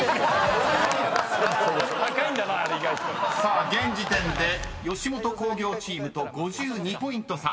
［さあ現時点で吉本興業チームと５２ポイント差。